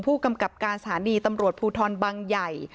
ผู้กำกับการสถานีตำรวจภูทรบังใหญ่